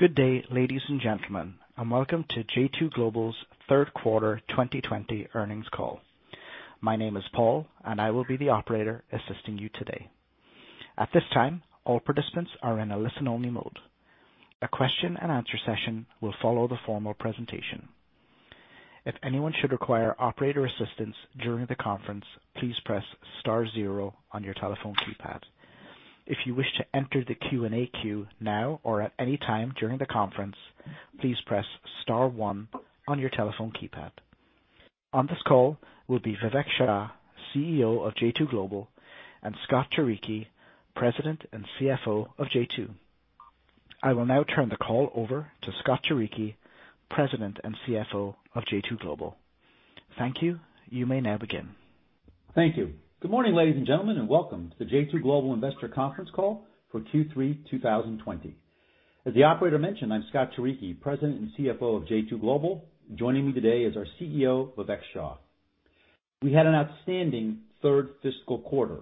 Good day, ladies and gentlemen, welcome to J2 Global's Third Quarter 2020 Earnings Call. My name is Paul and I will be the operator assisting you today. At this time, all participants are in a listen only mode. A question-and-answer session will follow the formal presentation. If anyone should require operator assistance during the conference, please press star zero on your telephone keypad. If you wish to enter the Q&A queue now or at any time during the conference, please press star one on your telephone keypad. On this call will be Vivek Shah, CEO of J2 Global, and Scott Turicchi, President and CFO of J2. I will now turn the call over to Scott Turicchi, President and CFO of J2 Global. Thank you. You may now begin. Thank you. Good morning, ladies and gentlemen, welcome to the J2 Global Investor Conference call for Q3 2020. As the operator mentioned, I'm Scott Turicchi, president and CFO of J2 Global. Joining me today is our CEO, Vivek Shah. We had an outstanding third fiscal quarter,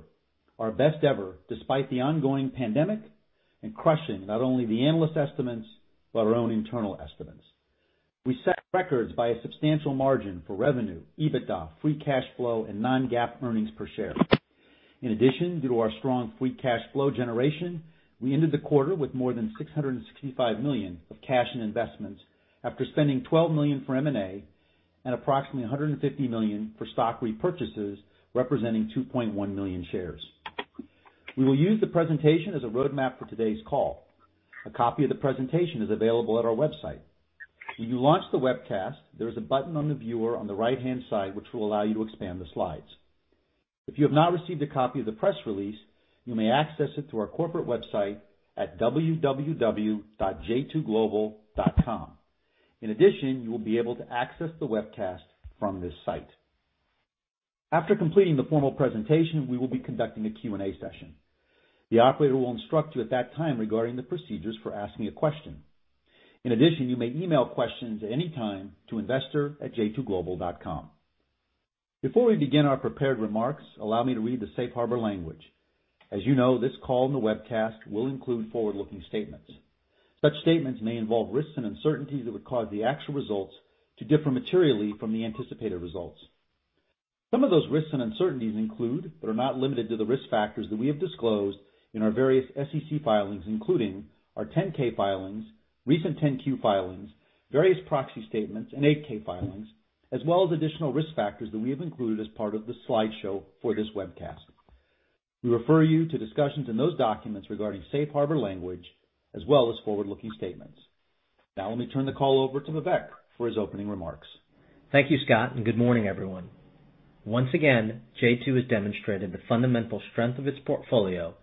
our best ever despite the ongoing pandemic, and crushing not only the analyst estimates but our own internal estimates. We set records by a substantial margin for revenue, EBITDA, free cash flow, and non-GAAP earnings per share. In addition, due to our strong free cash flow generation, we ended the quarter with more than $665 million of cash and investments after spending $12 million for M&A and approximately $150 million for stock repurchases, representing 2.1 million shares. We will use the presentation as a roadmap for today's call. A copy of the presentation is available at our website. When you launch the webcast, there is a button on the viewer on the right-hand side which will allow you to expand the slides. If you have not received a copy of the press release, you may access it through our corporate website at www.j2global.com. In addition, you will be able to access the webcast from this site. After completing the formal presentation, we will be conducting a Q&A session. The operator will instruct you at that time regarding the procedures for asking a question. In addition, you may email questions at any time to investor@j2global.com. Before we begin our prepared remarks, allow me to read the safe harbor language. As you know, this call and the webcast will include forward-looking statements. Such statements may involve risks and uncertainties that would cause the actual results to differ materially from the anticipated results. Some of those risks and uncertainties include, but are not limited to, the risk factors that we have disclosed in our various SEC filings, including our 10-K filings, recent 10-Q filings, various proxy statements, and 8-K filings, as well as additional risk factors that we have included as part of the slideshow for this webcast. We refer you to discussions in those documents regarding safe harbor language as well as forward-looking statements. Now, let me turn the call over to Vivek for his opening remarks. Thank you, Scott, and good morning, everyone. Once again, J2 has demonstrated the fundamental strength of its portfolio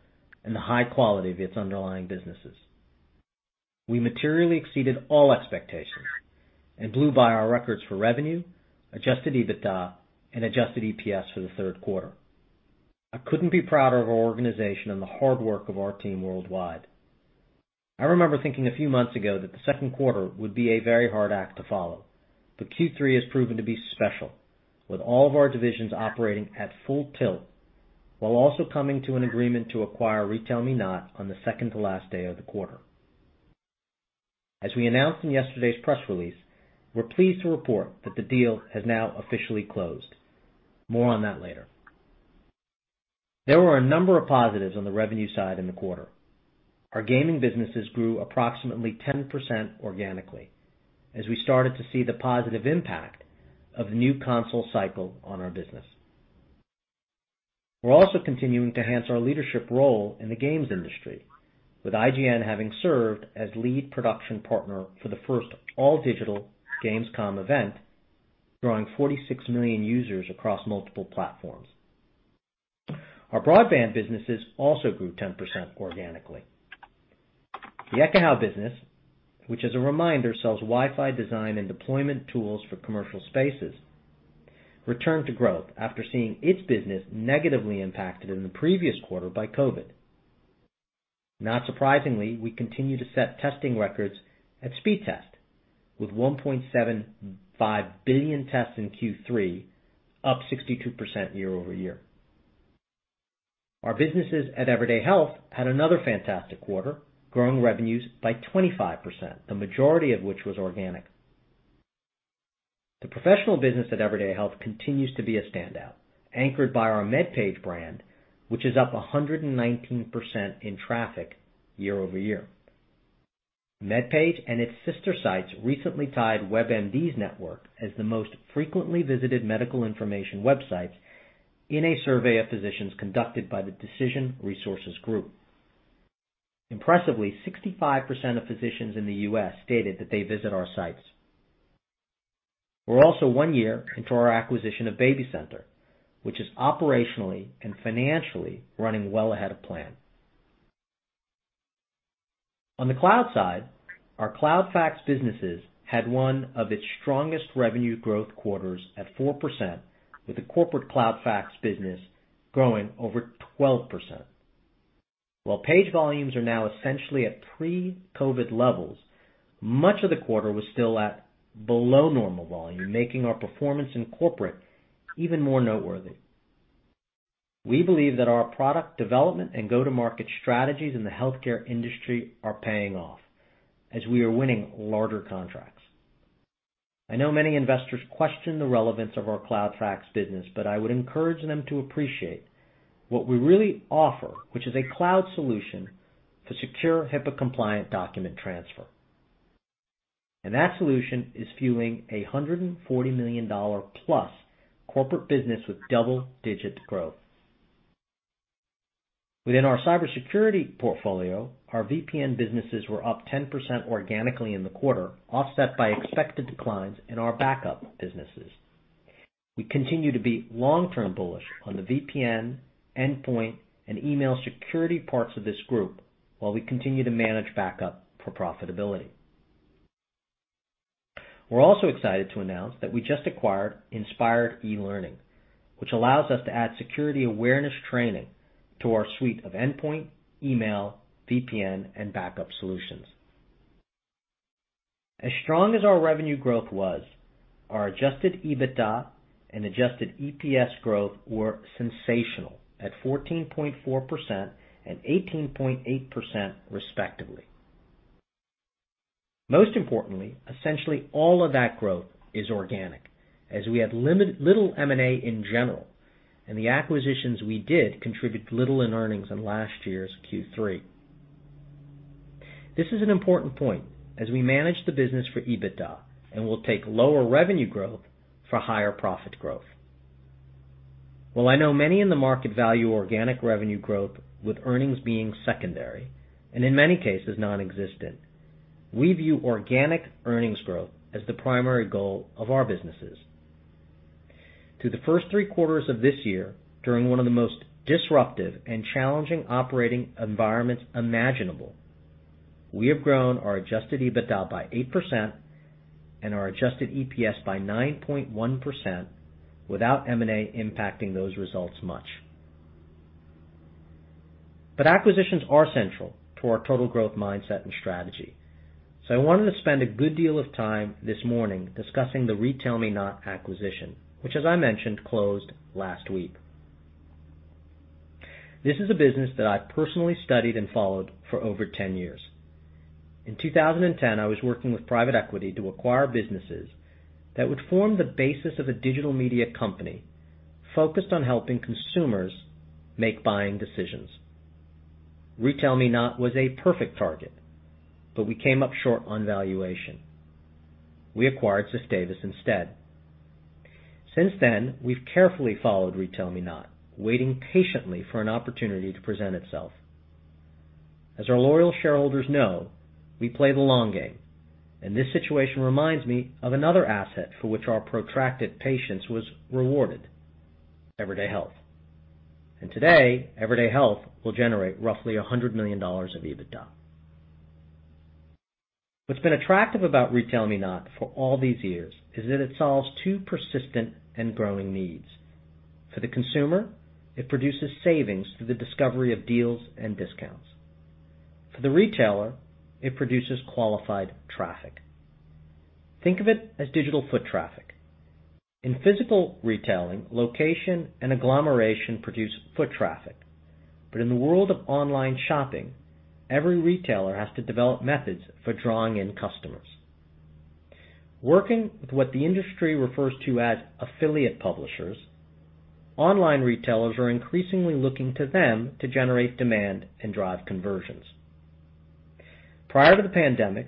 and the high quality of its underlying businesses. We materially exceeded all expectations and blew by our records for revenue, adjusted EBITDA, and adjusted EPS for the third quarter. I couldn't be prouder of our organization and the hard work of our team worldwide. I remember thinking a few months ago that the second quarter would be a very hard act to follow, but Q3 has proven to be special with all of our divisions operating at full tilt while also coming to an agreement to acquire RetailMeNot on the second to last day of the quarter. As we announced in yesterday's press release, we're pleased to report that the deal has now officially closed. More on that later. There were a number of positives on the revenue side in the quarter. Our gaming businesses grew approximately 10% organically as we started to see the positive impact of the new console cycle on our business. We're also continuing to enhance our leadership role in the games industry, with IGN having served as lead production partner for the first all-digital Gamescom event, drawing 46 million users across multiple platforms. Our broadband businesses also grew 10% organically. The Ekahau business, which as a reminder, sells Wi-Fi design and deployment tools for commercial spaces, returned to growth after seeing its business negatively impacted in the previous quarter by COVID. Not surprisingly, we continue to set testing records at Speedtest with 1.75 billion tests in Q3, up 62% year-over-year. Our businesses at Everyday Health had another fantastic quarter, growing revenues by 25%, the majority of which was organic. The professional business at Everyday Health continues to be a standout, anchored by our MedPage brand, which is up 119% in traffic year-over-year. MedPage and its sister sites recently tied WebMD's network as the most frequently visited medical information websites in a survey of physicians conducted by the Decision Resources Group. Impressively, 65% of physicians in the U.S. stated that they visit our sites. We're also one year into our acquisition of BabyCenter, which is operationally and financially running well ahead of plan. On the cloud side, our CloudFax businesses had one of its strongest revenue growth quarters at 4% with the corporate CloudFax business growing over 12%. While page volumes are now essentially at pre-COVID levels, much of the quarter was still at below normal volume, making our performance in corporate even more noteworthy. We believe that our product development and go-to-market strategies in the healthcare industry are paying off as we are winning larger contracts. I know many investors question the relevance of our Cloud Fax business, but I would encourage them to appreciate what we really offer, which is a cloud solution for secure HIPAA-compliant document transfer. That solution is fueling a $140 million-plus corporate business with double-digit growth. Within our cybersecurity portfolio, our VPN businesses were up 10% organically in the quarter, offset by expected declines in our backup businesses. We continue to be long-term bullish on the VPN, endpoint, and email security parts of this group while we continue to manage backup for profitability. We're also excited to announce that we just acquired Inspired eLearning, which allows us to add security awareness training to our suite of endpoint, email, VPN, and backup solutions. As strong as our revenue growth was, our adjusted EBITDA and adjusted EPS growth were sensational at 14.4% and 18.8%, respectively. Most importantly, essentially all of that growth is organic, as we had little M&A in general, and the acquisitions we did contribute little in earnings in last year's Q3. This is an important point as we manage the business for EBITDA, and we'll take lower revenue growth for higher profit growth. While I know many in the market value organic revenue growth with earnings being secondary, and in many cases nonexistent, we view organic earnings growth as the primary goal of our businesses. Through the first three quarters of this year, during one of the most disruptive and challenging operating environments imaginable, we have grown our adjusted EBITDA by 8% and our adjusted EPS by 9.1% without M&A impacting those results much. Acquisitions are central to our total growth mindset and strategy. I wanted to spend a good deal of time this morning discussing the RetailMeNot acquisition, which, as I mentioned, closed last week. This is a business that I personally studied and followed for over 10 years. In 2010, I was working with private equity to acquire businesses that would form the basis of a digital media company focused on helping consumers make buying decisions. RetailMeNot was a perfect target, but we came up short on valuation. We acquired Ziff Davis instead. Since then, we've carefully followed RetailMeNot, waiting patiently for an opportunity to present itself. As our loyal shareholders know, we play the long game, and this situation reminds me of another asset for which our protracted patience was rewarded, Everyday Health. Today, Everyday Health will generate roughly $100 million of EBITDA. What's been attractive about RetailMeNot for all these years is that it solves two persistent and growing needs. For the consumer, it produces savings through the discovery of deals and discounts. For the retailer, it produces qualified traffic. Think of it as digital foot traffic. In physical retailing, location and agglomeration produce foot traffic. In the world of online shopping, every retailer has to develop methods for drawing in customers. Working with what the industry refers to as affiliate publishers, online retailers are increasingly looking to them to generate demand and drive conversions. Prior to the pandemic,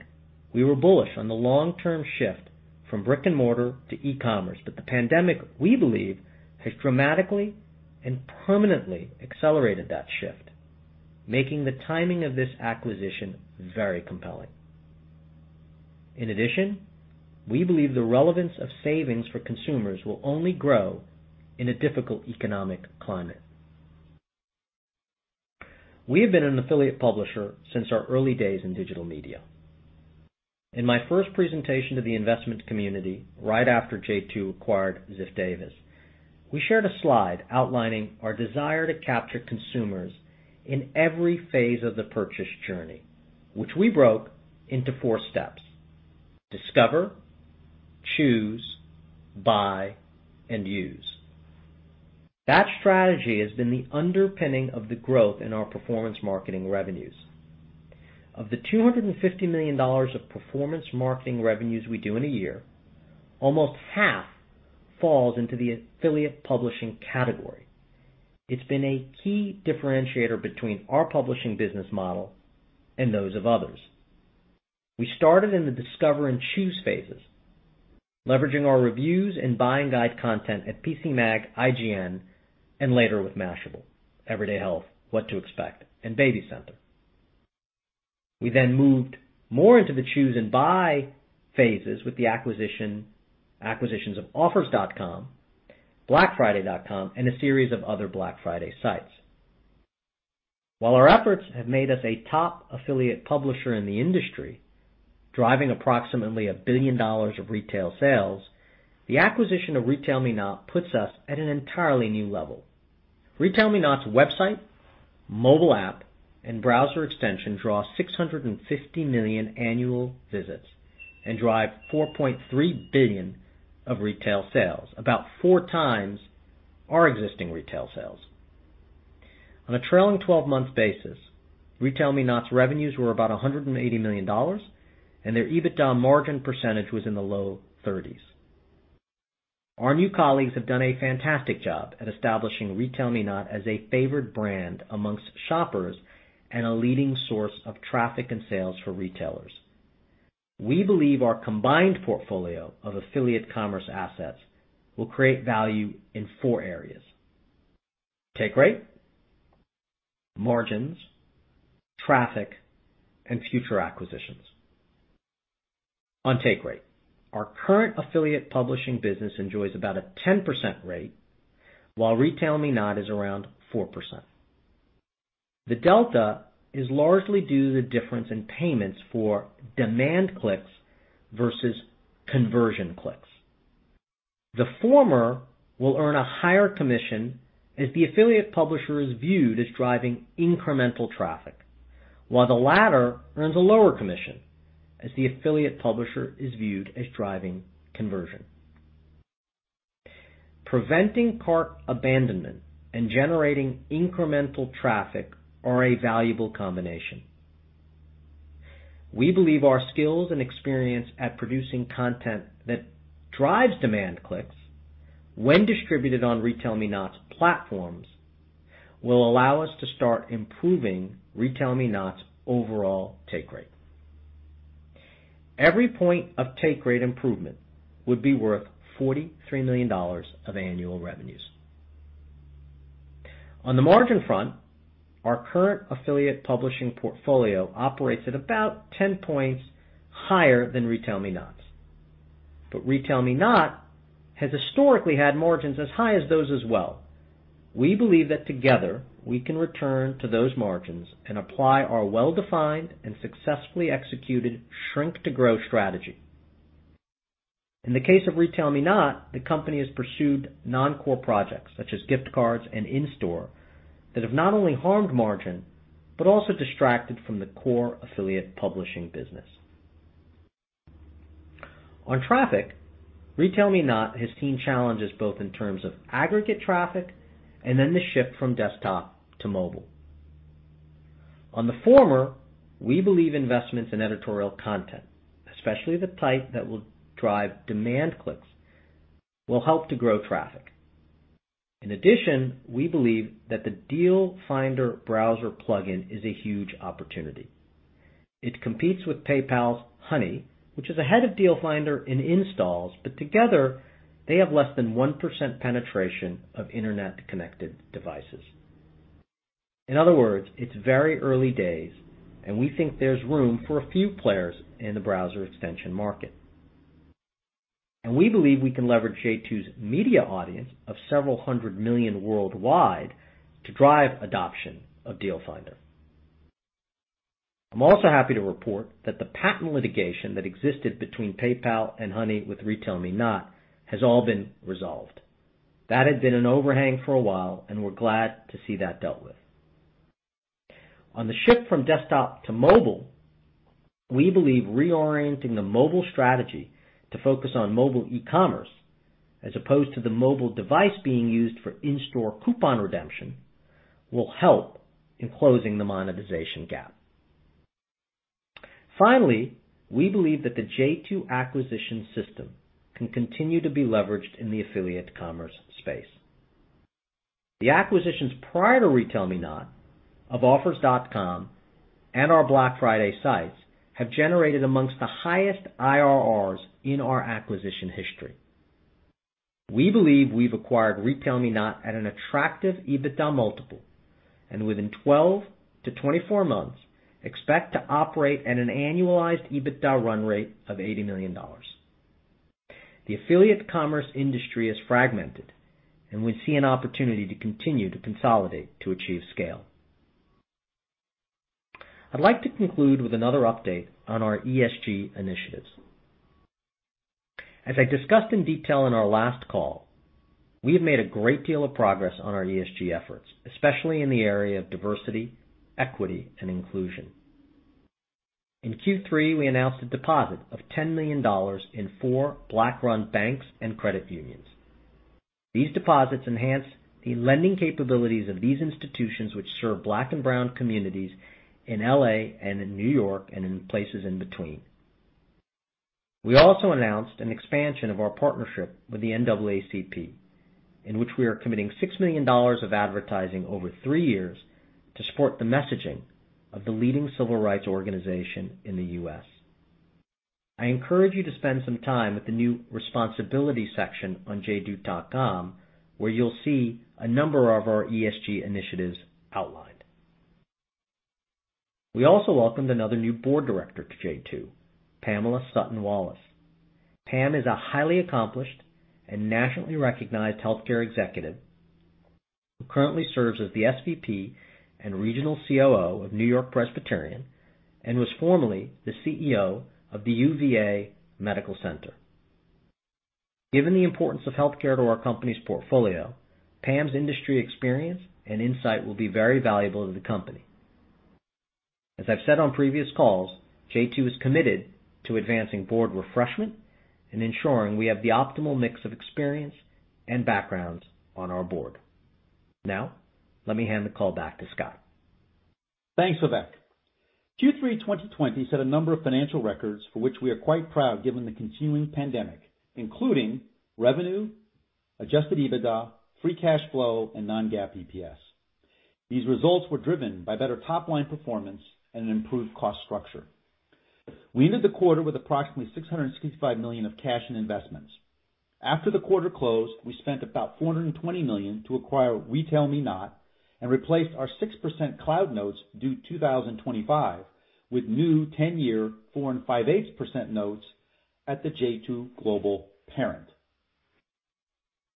we were bullish on the long-term shift from brick-and-mortar to e-commerce. The pandemic, we believe, has dramatically and permanently accelerated that shift, making the timing of this acquisition very compelling. In addition, we believe the relevance of savings for consumers will only grow in a difficult economic climate. We have been an affiliate publisher since our early days in digital media. In my first presentation to the investment community right after J2 acquired Ziff Davis, we shared a slide outlining our desire to capture consumers in every phase of the purchase journey, which we broke into four steps: discover, choose, buy, and use. That strategy has been the underpinning of the growth in our performance marketing revenues. Of the $250 million of performance marketing revenues we do in a year, almost half falls into the affiliate publishing category. It's been a key differentiator between our publishing business model and those of others. We started in the discover and choose phases, leveraging our reviews and buying guide content at PCMag, IGN, and later with Mashable, Everyday Health, What to Expect, and BabyCenter. We then moved more into the choose and buy phases with the acquisitions of Offers.com, BlackFriday.com, and a series of other Black Friday sites. While our efforts have made us a top affiliate publisher in the industry, driving approximately $1 billion of retail sales, the acquisition of RetailMeNot puts us at an entirely new level. RetailMeNot's website mobile app and browser extension draw 650 million annual visits and drive $4.3 billion of retail sales, about four times our existing retail sales. On a trailing 12-month basis, RetailMeNot's revenues were about $180 million, and their EBITDA margin percentage was in the low 30s%. Our new colleagues have done a fantastic job at establishing RetailMeNot as a favored brand amongst shoppers and a leading source of traffic and sales for retailers. We believe our combined portfolio of affiliate commerce assets will create value in four areas: take rate, margins, traffic, and future acquisitions. On take rate, our current affiliate publishing business enjoys about a 10% rate, while RetailMeNot is around 4%. The delta is largely due to the difference in payments for demand clicks versus conversion clicks. The former will earn a higher commission as the affiliate publisher is viewed as driving incremental traffic, while the latter earns a lower commission as the affiliate publisher is viewed as driving conversion. Preventing cart abandonment and generating incremental traffic are a valuable combination. We believe our skills and experience at producing content that drives demand clicks when distributed on RetailMeNot's platforms will allow us to start improving RetailMeNot's overall take rate. Every point of take rate improvement would be worth $43 million of annual revenues. On the margin front, our current affiliate publishing portfolio operates at about 10 points higher than RetailMeNot's. RetailMeNot has historically had margins as high as those as well. We believe that together, we can return to those margins and apply our well-defined and successfully executed shrink to grow strategy. In the case of RetailMeNot, the company has pursued non-core projects such as gift cards and in-store that have not only harmed margin, but also distracted from the core affiliate publishing business. On traffic, RetailMeNot has seen challenges both in terms of aggregate traffic and then the shift from desktop to mobile. On the former, we believe investments in editorial content, especially the type that will drive demand clicks, will help to grow traffic. We believe that the Deal Finder browser plugin is a huge opportunity. It competes with PayPal Honey, which is ahead of Deal Finder in installs. Together, they have less than 1% penetration of internet-connected devices. It's very early days. We think there's room for a few players in the browser extension market. We believe we can leverage J2's media audience of several hundred million worldwide to drive adoption of Deal Finder. I'm also happy to report that the patent litigation that existed between PayPal and Honey with RetailMeNot has all been resolved. That had been an overhang for a while. We're glad to see that dealt with. On the shift from desktop to mobile, we believe reorienting the mobile strategy to focus on mobile e-commerce as opposed to the mobile device being used for in-store coupon redemption will help in closing the monetization gap. We believe that the J2 acquisition system can continue to be leveraged in the affiliate commerce space. The acquisitions prior to RetailMeNot of Offers.com and our Black Friday sites have generated amongst the highest IRRs in our acquisition history. We believe we've acquired RetailMeNot at an attractive EBITDA multiple, and within 12-24 months, expect to operate at an annualized EBITDA run rate of $80 million. The affiliate commerce industry is fragmented, and we see an opportunity to continue to consolidate to achieve scale. I'd like to conclude with another update on our ESG initiatives. As I discussed in detail in our last call, we have made a great deal of progress on our ESG efforts, especially in the area of diversity, equity, and inclusion. In Q3, we announced a deposit of $10 million in four Black-run banks and credit unions. These deposits enhance the lending capabilities of these institutions, which serve Black and Brown communities in L.A. and in New York and in places in between. We also announced an expansion of our partnership with the NAACP, in which we are committing $6 million of advertising over three years to support the messaging of the leading civil rights organization in the U.S. I encourage you to spend some time with the new responsibility section on J2.com, where you'll see a number of our ESG initiatives outlined. We also welcomed another new board director to J2, Pamela Sutton-Wallace. Pam is a highly accomplished and nationally recognized healthcare executive who currently serves as the SVP and regional COO of NewYork-Presbyterian and was formerly the CEO of the UVA Medical Center. Given the importance of healthcare to our company's portfolio, Pam's industry experience and insight will be very valuable to the company. As I've said on previous calls, J2 is committed to advancing board refreshment and ensuring we have the optimal mix of experience and backgrounds on our board. Now, let me hand the call back to Scott. Thanks, Vivek. Q3 2020 set a number of financial records for which we are quite proud, given the continuing pandemic, including revenue, adjusted EBITDA, free cash flow, and non-GAAP EPS. These results were driven by better top-line performance and an improved cost structure. We ended the quarter with approximately $665 million of cash and investments. After the quarter closed, we spent about $420 million to acquire RetailMeNot and replaced our 6% cloud notes due 2025 with new 10-year 4.625% notes at the J2 Global parent.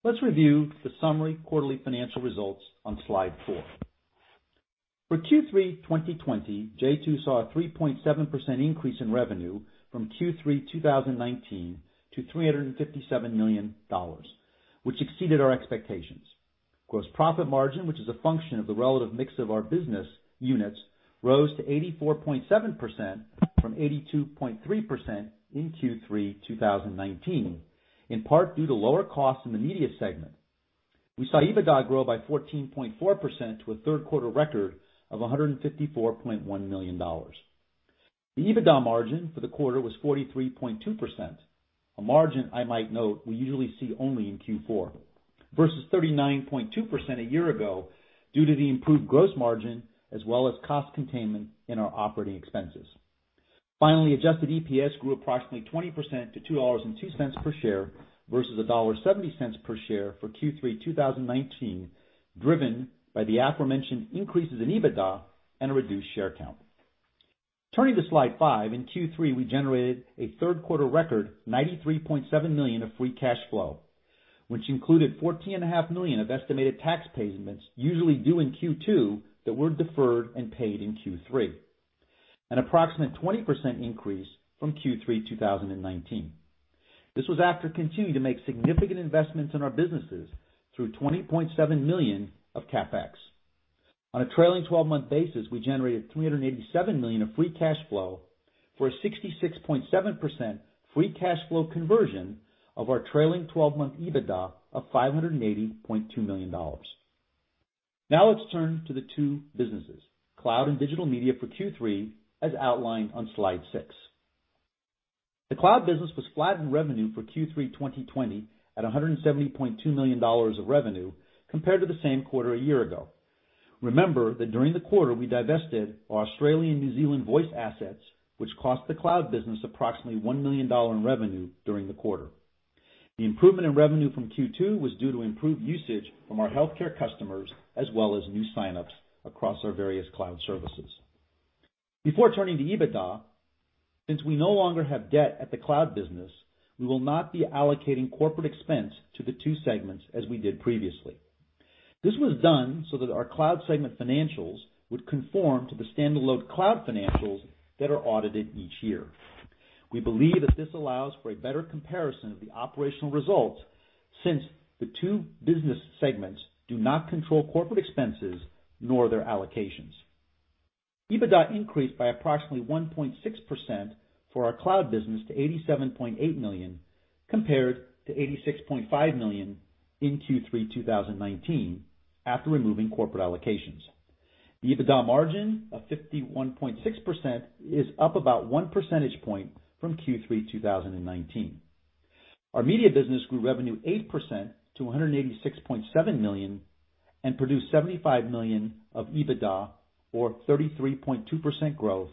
Let's review the summary quarterly financial results on slide four. For Q3 2020, J2 saw a 3.7% increase in revenue from Q3 2019 to $357 million, which exceeded our expectations. Gross profit margin, which is a function of the relative mix of our business units, rose to 84.7% from 82.3% in Q3 2019, in part due to lower costs in the media segment. We saw EBITDA grow by 14.4% to a third-quarter record of $154.1 million. The EBITDA margin for the quarter was 43.2%, a margin I might note we usually see only in Q4, versus 39.2% a year ago due to the improved gross margin as well as cost containment in our operating expenses. Adjusted EPS grew approximately 20% to $2.02 per share versus $1.70 per share for Q3 2019, driven by the aforementioned increases in EBITDA and a reduced share count. Turning to slide five, in Q3, we generated a third-quarter record $93.7 million of free cash flow, which included $14.5 million of estimated tax payments usually due in Q2 that were deferred and paid in Q3, an approximate 20% increase from Q3 2019. This was after continuing to make significant investments in our businesses through $20.7 million of CapEx. On a trailing 12-month basis, we generated $387 million of free cash flow for a 66.7% free cash flow conversion of our trailing 12-month EBITDA of $580.2 million. Now let's turn to the two businesses, cloud and digital media for Q3, as outlined on slide six. The cloud business was flat in revenue for Q3 2020 at $170.2 million of revenue compared to the same quarter a year ago. Remember that during the quarter, we divested our Australian New Zealand Voice assets, which cost the cloud business approximately $1 million in revenue during the quarter. The improvement in revenue from Q2 was due to improved usage from our healthcare customers as well as new sign-ups across our various cloud services. Before turning to EBITDA, since we no longer have debt at the cloud business, we will not be allocating corporate expense to the two segments as we did previously. This was done so that our cloud segment financials would conform to the standalone cloud financials that are audited each year. We believe that this allows for a better comparison of the operational results since the two business segments do not control corporate expenses nor their allocations. EBITDA increased by approximately 1.6% for our cloud business to $87.8 million compared to $86.5 million in Q3 2019 after removing corporate allocations. The EBITDA margin of 51.6% is up about 1 percentage point from Q3 2019. Our media business grew revenue 8% to $186.7 million and produced $75 million of EBITDA, or 33.2% growth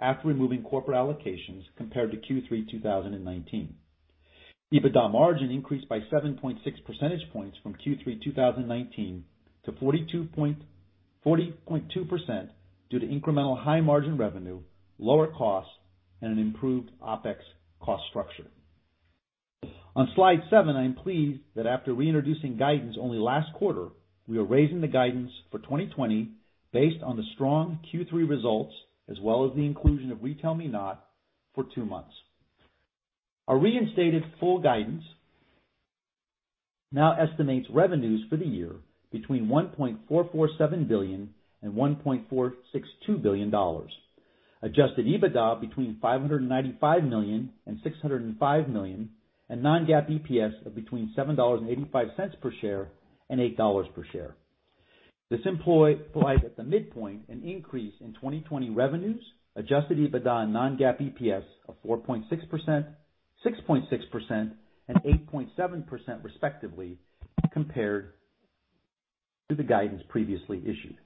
after removing corporate allocations compared to Q3 2019. EBITDA margin increased by 7.6 percentage points from Q3 2019 to 40.2% due to incremental high-margin revenue, lower costs, and an improved OpEx cost structure. On slide seven, I am pleased that after reintroducing guidance only last quarter, we are raising the guidance for 2020 based on the strong Q3 results as well as the inclusion of RetailMeNot for two months. Our reinstated full guidance now estimates revenues for the year between $1.447 billion and $1.462 billion, adjusted EBITDA between $595 million and $605 million, and non-GAAP EPS of between $7.85 per share and $8 per share. This implies, at the midpoint, an increase in 2020 revenues, adjusted EBITDA, and non-GAAP EPS of 4.6%, 6.6%, and 8.7% respectively, compared to the guidance previously issued.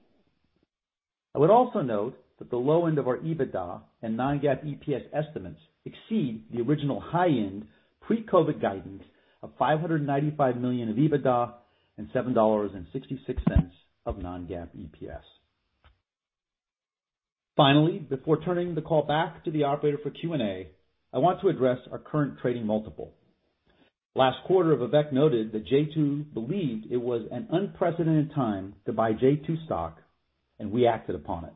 I would also note that the low end of our EBITDA and non-GAAP EPS estimates exceed the original high-end pre-COVID guidance of $595 million of EBITDA and $7.66 of non-GAAP EPS. Finally, before turning the call back to the operator for Q&A, I want to address our current trading multiple. Last quarter, Vivek noted that J2 believed it was an unprecedented time to buy J2 stock, and we acted upon it.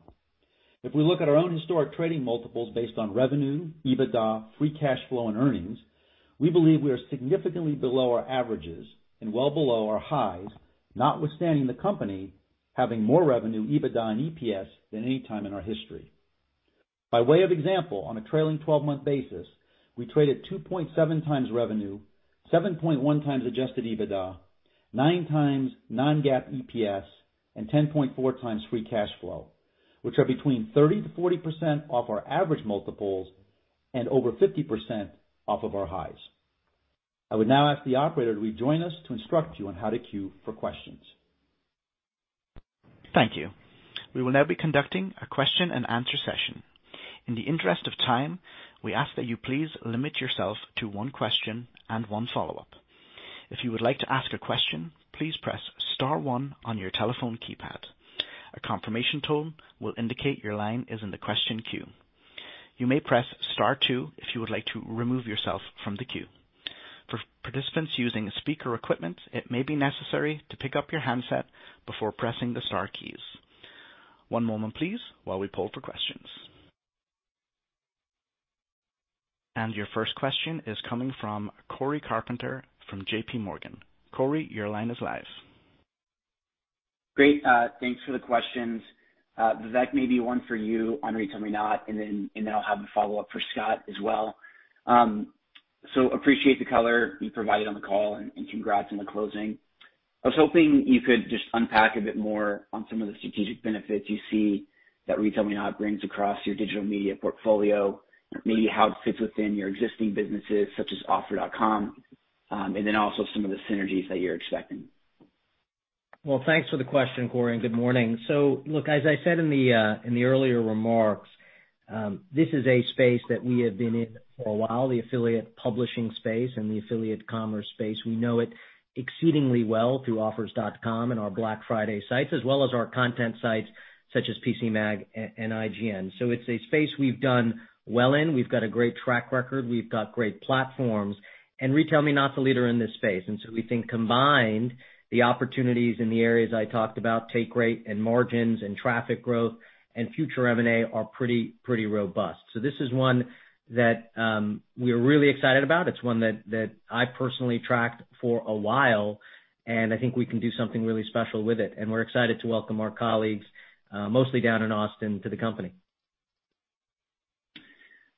If we look at our own historic trading multiples based on revenue, EBITDA, free cash flow, and earnings, we believe we are significantly below our averages and well below our highs, notwithstanding the company having more revenue, EBITDA, and EPS than any time in our history. By way of example, on a trailing 12-month basis, we traded 2.7x revenue, 7.1x adjusted EBITDA, 9x non-GAAP EPS, and 10.4x free cash flow, which are between 30%-40% off our average multiples and over 50% off of our highs. I would now ask the operator to rejoin us to instruct you on how to queue for questions. Thank you. We will now be conducting a question and answer session. In the interest of time, we ask that you please limit yourself to one question and one follow-up. If you would like to ask a question, please press star one on your telephone keypad. A confirmation tone will indicate your line is in the question queue. You may press star two if you would like to remove yourself from the queue. For participants using speaker equipment, it may be necessary to pick up your handset before pressing the star keys. One moment please while we poll for questions. Your first question is coming from Cory Carpenter from JPMorgan. Cory, your line is live. Great. Thanks for the questions. Vivek, maybe one for you on RetailMeNot, and then I'll have a follow-up for Scott as well. Appreciate the color you provided on the call and congrats on the closing. I was hoping you could just unpack a bit more on some of the strategic benefits you see that RetailMeNot brings across your digital media portfolio, maybe how it fits within your existing businesses such as Offers.com, and then also some of the synergies that you're expecting. Thanks for the question, Cory, and good morning. Look, as I said in the earlier remarks, this is a space that we have been in for a while, the affiliate publishing space and the affiliate commerce space. We know it exceedingly well through Offers.com and our Black Friday sites, as well as our content sites such as PCMag and IGN. It's a space we've done well in. We've got a great track record. We've got great platforms. RetailMeNot's a leader in this space, we think combined, the opportunities in the areas I talked about, take rate and margins and traffic growth and future M&A are pretty robust. This is one that we're really excited about. It's one that I personally tracked for a while, and I think we can do something really special with it. We're excited to welcome our colleagues, mostly down in Austin, to the company.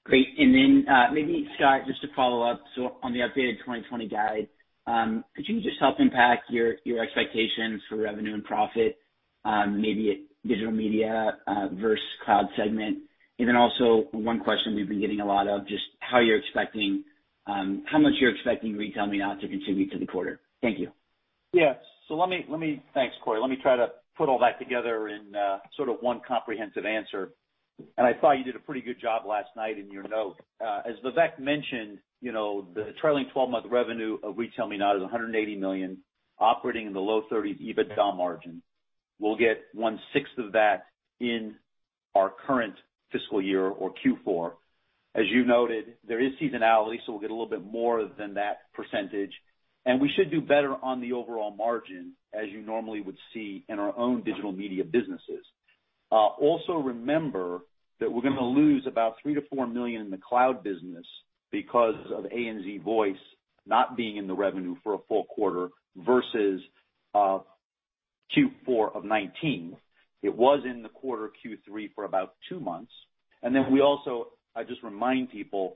Great. Maybe Scott, just to follow up. On the updated 2020 guide, could you just help impact your expectations for revenue and profit, maybe at digital media versus cloud segment? Also one question we've been getting a lot of, just how much you're expecting RetailMeNot to contribute to the quarter. Thank you. Yeah. Thanks, Cory. Let me try to put all that together in sort of one comprehensive answer, and I thought you did a pretty good job last night in your note. As Vivek mentioned, the trailing 12-month revenue of RetailMeNot is $180 million, operating in the low-30s EBITDA margin. We'll get one-sixth of that in our current fiscal year or Q4. As you noted, there is seasonality, so we'll get a little bit more than that percentage, and we should do better on the overall margin, as you normally would see in our own digital media businesses. Also remember that we're going to lose about $3 million-$4 million in the cloud business because of ANZ Voice not being in the revenue for a full quarter versus Q4 of 2019. It was in the quarter Q3 for about two months. I just remind people,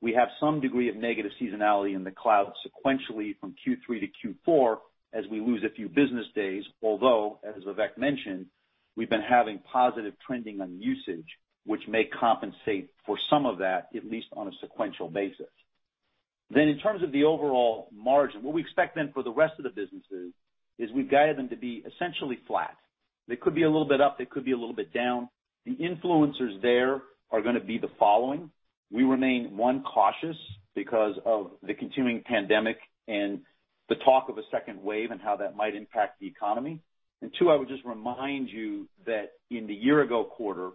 we have some degree of negative seasonality in the cloud sequentially from Q3 to Q4 as we lose a few business days, although, as Vivek mentioned, we've been having positive trending on usage, which may compensate for some of that, at least on a sequential basis. In terms of the overall margin, what we expect then for the rest of the businesses is we've guided them to be essentially flat. They could be a little bit up, they could be a little bit down. The influencers there are going to be the following. We remain, one, cautious because of the continuing pandemic and the talk of a second wave and how that might impact the economy. Two, I would just remind you that in the year-ago quarter,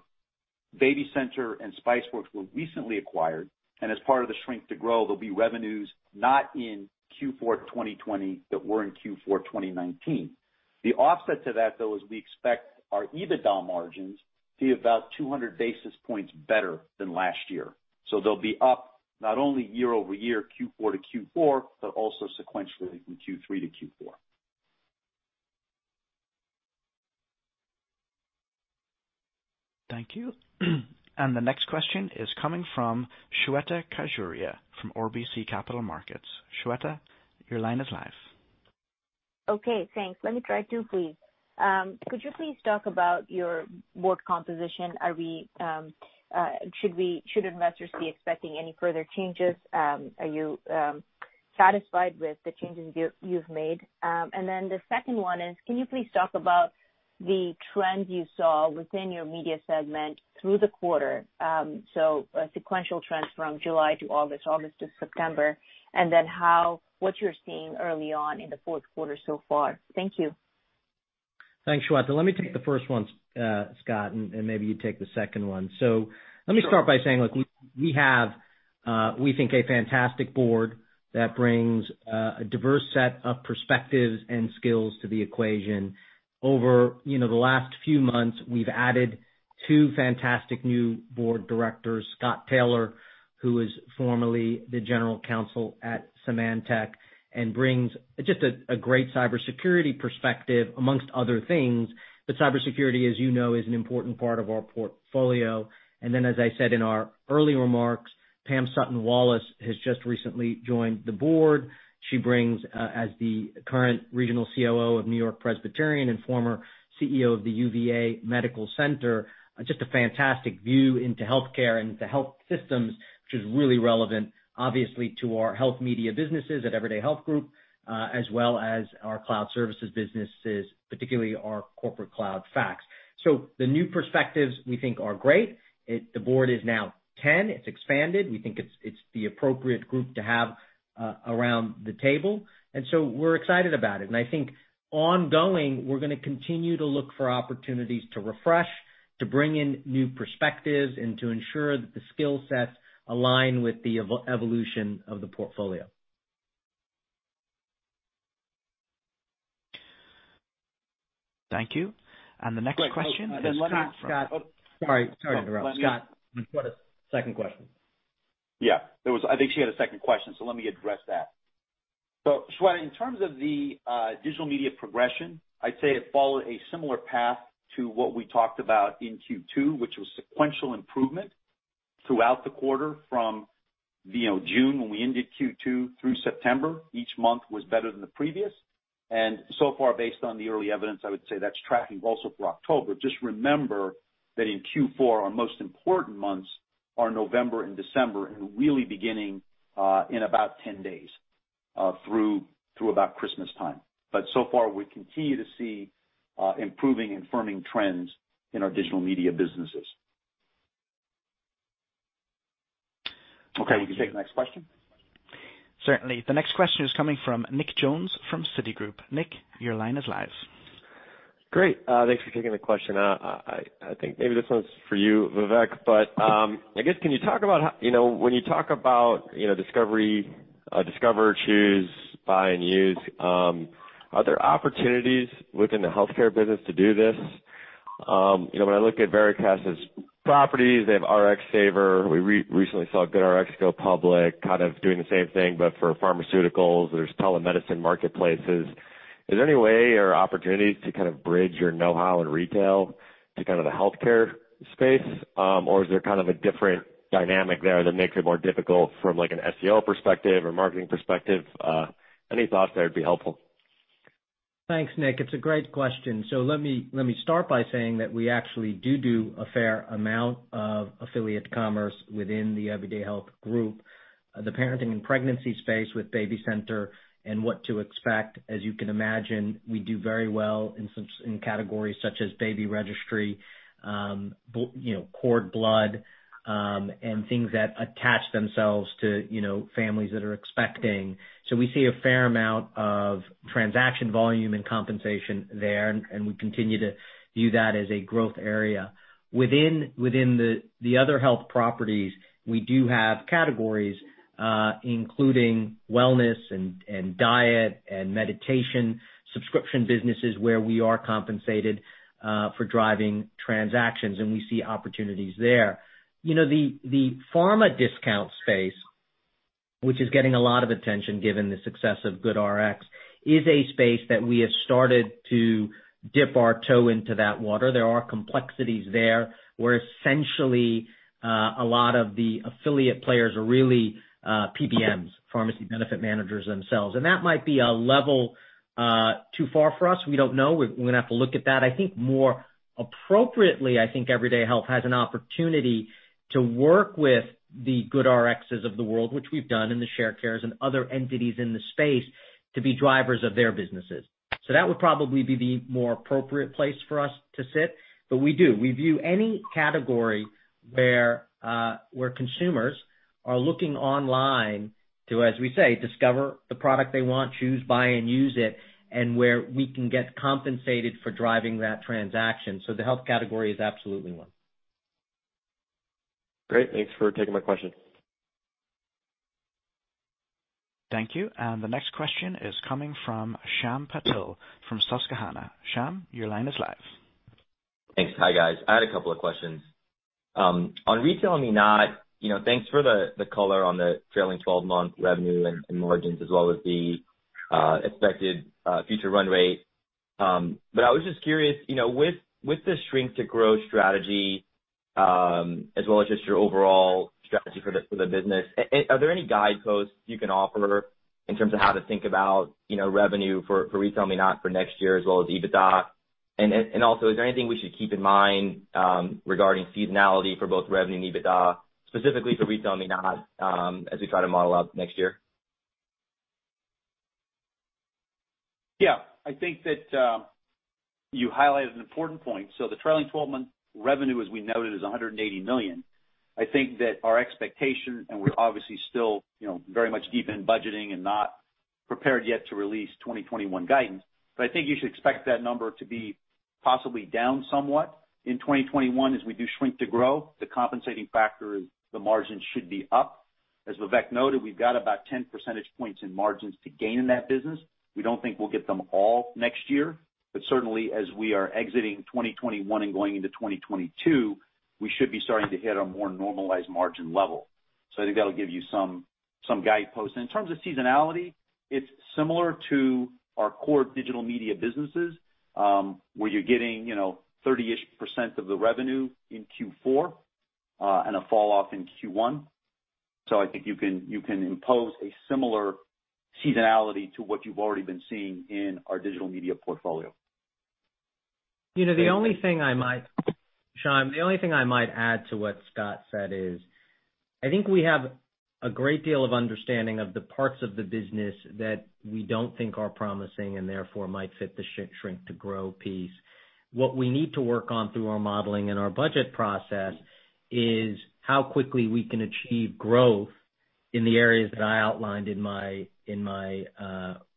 BabyCenter and Spiceworks were recently acquired, and as part of the shrink to grow, there'll be revenues not in Q4 2020 that were in Q4 2019. The offset to that, though, is we expect our EBITDA margins to be about 200 basis points better than last year. They'll be up not only year-over-year, Q4 to Q4, but also sequentially from Q3 to Q4. Thank you. The next question is coming from Shweta Khajuria from RBC Capital Markets. Shweta, your line is live. Okay, thanks. Let me try two, please. Could you please talk about your board composition? Should investors be expecting any further changes? Are you satisfied with the changes you've made? The second one is, can you please talk about the trends you saw within your media segment through the quarter? Sequential trends from July to August to September, and then what you're seeing early on in the fourth quarter so far. Thank you. Thanks, Shweta. Let me take the first one, Scott, and maybe you take the second one. Let me start by saying, look, we have, we think, a fantastic board that brings a diverse set of perspectives and skills to the equation. Over the last few months, we've added two fantastic new board directors, Scott Taylor, who was formerly the general counsel at Symantec and brings just a great cybersecurity perspective among other things. Cybersecurity, as you know, is an important part of our portfolio. As I said in our early remarks, Pam Sutton-Wallace has just recently joined the board. She brings, as the current regional COO of NewYork-Presbyterian and former CEO of the UVA Medical Center, just a fantastic view into healthcare and to health systems, which is really relevant, obviously, to our health media businesses at Everyday Health Group, as well as our cloud services businesses, particularly our corporate Cloud Fax. The new perspectives we think are great. The board is now 10. It's expanded. We think it's the appropriate group to have around the table. We're excited about it. I think ongoing, we're going to continue to look for opportunities to refresh, to bring in new perspectives, and to ensure that the skill sets align with the evolution of the portfolio. Thank you. The next question. Sorry to interrupt. Scott, second question. Yeah. I think she had a second question, so let me address that. Shweta, in terms of the digital media progression, I'd say it followed a similar path to what we talked about in Q2, which was sequential improvement throughout the quarter from June, when we ended Q2, through September. Each month was better than the previous. So far, based on the early evidence, I would say that's tracking also for October. Just remember that in Q4, our most important months are November and December, and really beginning in about 10 days, through about Christmas time. So far, we continue to see improving and firming trends in our digital media businesses. Okay, you can take the next question. Certainly. The next question is coming from Nick Jones from Citigroup. Nick, your line is live. Great. Thanks for taking the question. I think maybe this one's for you, Vivek, but I guess, when you talk about discover, choose, buy, and use, are there opportunities within the healthcare business to do this? When I look at RetailMeNot's properties, they have RxSaver. We recently saw GoodRx go public, kind of doing the same thing, but for pharmaceuticals. There's telemedicine marketplaces. Is there any way or opportunities to kind of bridge your know-how in retail to the healthcare space? Is there kind of a different dynamic there that makes it more difficult from an SEO perspective or marketing perspective? Any thoughts there would be helpful. Thanks, Nick. It's a great question. Let me start by saying that we actually do a fair amount of affiliate commerce within the Everyday Health Group. The parenting and pregnancy space with BabyCenter and What to Expect, as you can imagine, we do very well in categories such as baby registry, cord blood, and things that attach themselves to families that are expecting. We see a fair amount of transaction volume and compensation there, and we continue to view that as a growth area. Within the other health properties, we do have categories, including wellness and diet and meditation, subscription businesses where we are compensated for driving transactions, and we see opportunities there. The pharma discount space, which is getting a lot of attention given the success of GoodRx, is a space that we have started to dip our toe into that water. There are complexities there where essentially a lot of the affiliate players are really PBMs, pharmacy benefit managers themselves, and that might be a level too far for us. We don't know. We're going to have to look at that. I think more appropriately, I think Everyday Health has an opportunity to work with the GoodRx's of the world, which we've done, and the Sharecare and other entities in the space to be drivers of their businesses. That would probably be the more appropriate place for us to sit. We do. We view any category where consumers are looking online to, as we say, discover the product they want, choose, buy, and use it, and where we can get compensated for driving that transaction. The health category is absolutely one. Great. Thanks for taking my question. Thank you. The next question is coming from Shyam Patil from Susquehanna. Shyam, your line is live. Thanks. Hi, guys. I had a couple of questions. On RetailMeNot, thanks for the color on the trailing 12-month revenue and margins as well as the expected future run rate. I was just curious, with the shrink to growth strategy, as well as just your overall strategy for the business, are there any guideposts you can offer in terms of how to think about revenue for RetailMeNot for next year as well as EBITDA? Is there anything we should keep in mind regarding seasonality for both revenue and EBITDA, specifically for RetailMeNot, as we try to model out next year? Yeah, I think that you highlighted an important point. The trailing 12-month revenue, as we noted, is $180 million. I think that our expectation, and we're obviously still very much deep in budgeting and not prepared yet to release 2021 guidance. I think you should expect that number to be possibly down somewhat in 2021 as we do shrink to grow. The compensating factor is the margin should be up. As Vivek noted, we've got about 10 percentage points in margins to gain in that business. We don't think we'll get them all next year, certainly as we are exiting 2021 and going into 2022, we should be starting to hit a more normalized margin level. I think that'll give you some guideposts. In terms of seasonality, it's similar to our core digital media businesses, where you're getting 30-ish percent of the revenue in Q4, and a fall off in Q1. I think you can impose a similar seasonality to what you've already been seeing in our digital media portfolio. Shyam, the only thing I might add to what Scott said is, I think we have a great deal of understanding of the parts of the business that we don't think are promising and therefore might fit the shrink to grow piece. What we need to work on through our modeling and our budget process is how quickly we can achieve growth in the areas that I outlined in my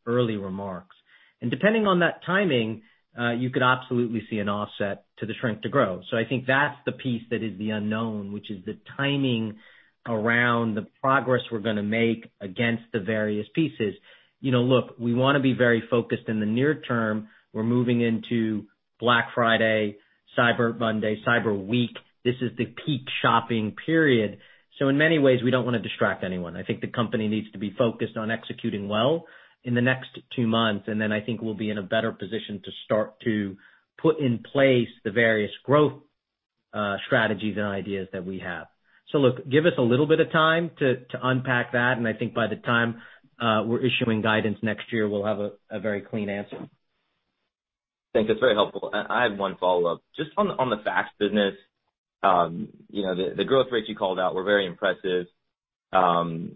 early remarks. Depending on that timing, you could absolutely see an offset to the shrink to grow. I think that's the piece that is the unknown, which is the timing around the progress we're going to make against the various pieces. Look, we want to be very focused in the near term. We're moving into Black Friday, Cyber Monday, Cyber Week. This is the peak shopping period. In many ways, we don't want to distract anyone. I think the company needs to be focused on executing well in the next two months, and then I think we'll be in a better position to start to put in place the various growth strategies and ideas that we have. Look, give us a little bit of time to unpack that, and I think by the time we're issuing guidance next year, we'll have a very clean answer. Thanks. That's very helpful. I have one follow-up. Just on the fax business, the growth rates you called out were very impressive. Can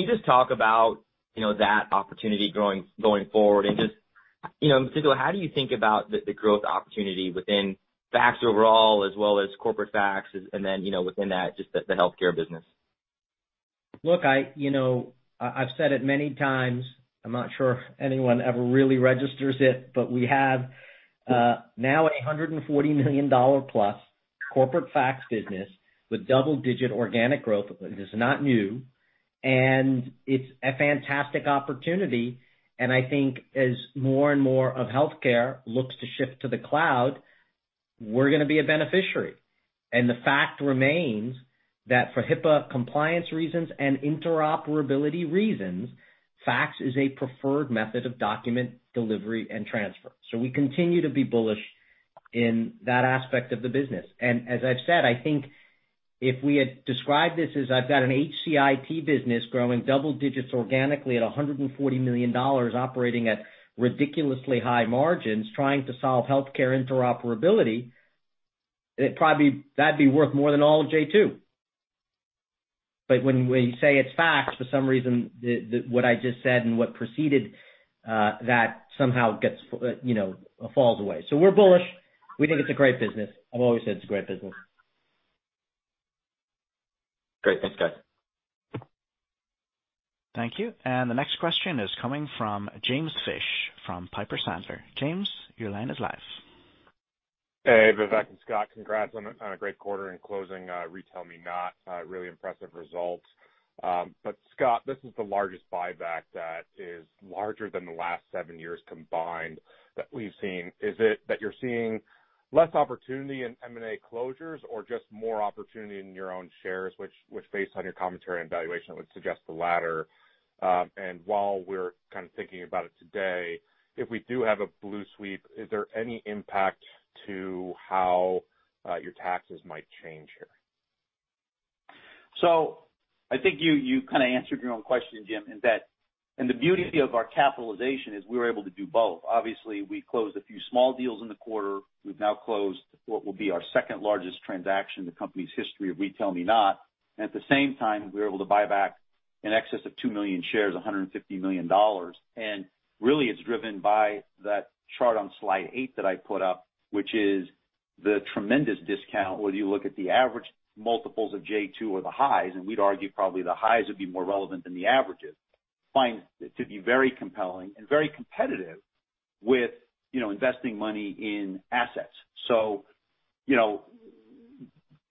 you just talk about that opportunity going forward and just in particular, how do you think about the growth opportunity within fax overall as well as corporate fax and then, within that, just the healthcare business? I've said it many times, I'm not sure if anyone ever really registers it, but we have now a $140 million-plus corporate fax business with double-digit organic growth. It is not new, it's a fantastic opportunity, I think as more and more of healthcare looks to shift to the cloud, we're going to be a beneficiary. The fact remains that for HIPAA compliance reasons and interoperability reasons, fax is a preferred method of document delivery and transfer. We continue to be bullish in that aspect of the business. As I've said, I think if we had described this as I've got an HCIT business growing double digits organically at $140 million, operating at ridiculously high margins, trying to solve healthcare interoperability, that'd be worth more than all of J2. When we say it's fax, for some reason, what I just said and what preceded that somehow falls away. We're bullish. We think it's a great business. I've always said it's a great business. Great. Thanks, guys. Thank you. The next question is coming from James Fish from Piper Sandler. James, your line is live. Hey, Vivek and Scott, congrats on a great quarter in closing RetailMeNot. Really impressive results. Scott, this is the largest buyback that is larger than the last seven years combined that we've seen. Is it that you're seeing less opportunity in M&A closures or just more opportunity in your own shares, which based on your commentary and valuation, would suggest the latter? While we're kind of thinking about it today, if we do have a blue sweep, is there any impact to how your taxes might change here? I think you kind of answered your own question, Jim. The beauty of our capitalization is we were able to do both. Obviously, we closed a few small deals in the quarter. We've now closed what will be our second-largest transaction in the company's history with RetailMeNot. At the same time, we were able to buy back in excess of 2 million shares, $150 million. Really it's driven by that chart on slide eight that I put up, which is the tremendous discount, whether you look at the average multiples of J2 or the highs, and we'd argue probably the highs would be more relevant than the averages, find it to be very compelling and very competitive with investing money in assets.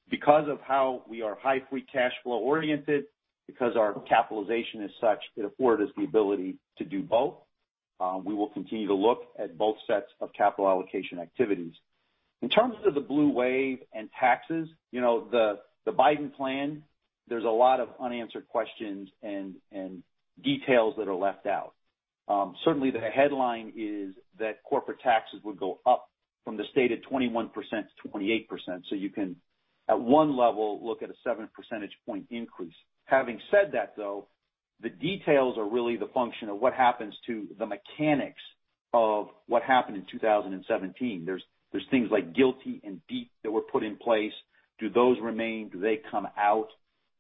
Because of how we are high free cash flow oriented, because our capitalization is such, it afforded us the ability to do both. We will continue to look at both sets of capital allocation activities. In terms of the blue wave and taxes, the Biden plan, there's a lot of unanswered questions and details that are left out. Certainly the headline is that corporate taxes would go up from the stated 21% to 28%. You can, at one level, look at a seven percentage point increase. Having said that, though, the details are really the function of what happens to the mechanics of what happened in 2017. There's things like GILTI and BEAT that were put in place. Do those remain? Do they come out?